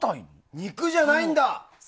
肉じゃないんだ！